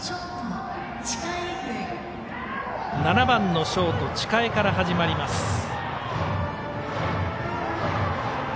７番のショート、近江から始まります。